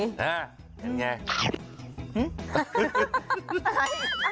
เห็นไง